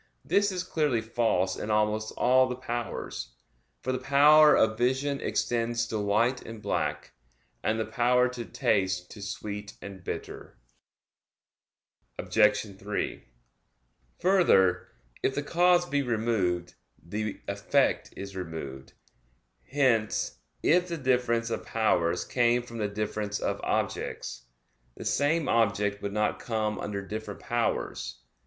This is clearly false in almost all the powers; for the power of vision extends to white and black, and the power to taste to sweet and bitter. Obj. 3: Further, if the cause be removed, the effect is removed. Hence if the difference of powers came from the difference of objects, the same object would not come under different powers.